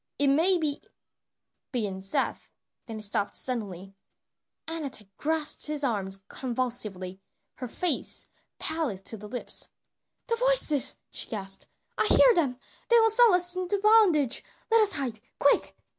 "It may be " began Seth, then he stopped suddenly Anat had grasped his arm convulsively, her face pallid to the lips. "The voices!" she gasped. "I hear them, they will sell us into bondage! Let us hide, quick!"